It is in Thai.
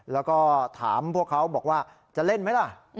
แล้วก็ถามพวกเขาบอกว่าจะเล่นไหมล่ะ